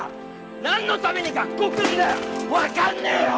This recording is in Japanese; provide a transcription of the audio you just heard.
何のために学校来るんだよ分かんねえよ！